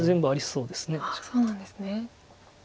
そうなんですね。